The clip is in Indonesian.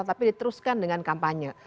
tapi diteruskan dengan kampanye